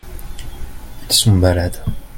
Ils sont malades.